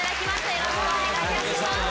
よろしくお願いします。